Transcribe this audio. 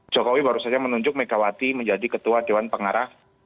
jokowi baru saja menunjuk megawati menjadi ketua dewan pengarah